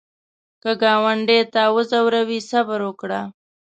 که ګاونډي تا وځوروي، صبر وکړه